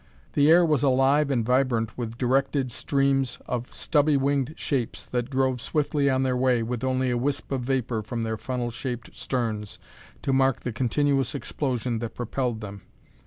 The air was alive and vibrant with directed streams of stubby winged shapes that drove swiftly on their way, with only a wisp of vapor from their funnel shaped sterns to mark the continuous explosion that propelled them.